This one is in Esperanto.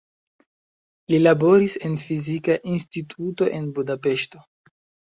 Li laboris en fizika instituto en Budapeŝto.